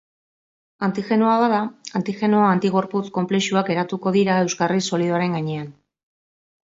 Antigenoa bada, antigeno-antigorputz konplexuak eratuko dira euskarri solidoaren gainean.